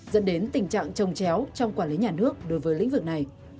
dẫn đến tình trạng trông chéo trong quản lý nhà nước đối với lĩnh vực này